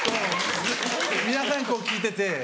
皆さんこう聞いてて。